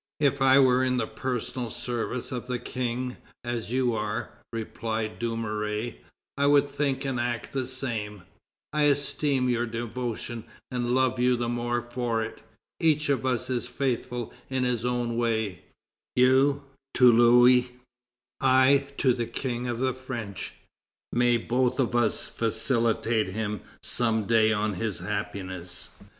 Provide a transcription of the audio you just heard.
"If I were in the personal service of the King, as you are," replied Dumouriez, "I would think and act the same; I esteem your devotion, and love you the more for it; each of us is faithful in his own way; you, to Louis; I, to the King of the French. May both of us felicitate him some day on his happiness!"